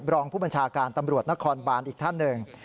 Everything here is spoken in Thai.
รองพบชนตำรวจนครบานอีกท่านหนึ่ง